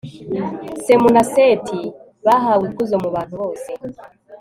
semu na seti bahawe ikuzo mu bantu bose